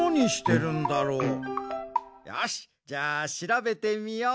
よしじゃあしらべてみよう。